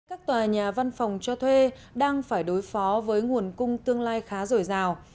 các tòa nhà văn phòng cho thuê đang phải đối phó với nguồn cung tương lai khá rổi rào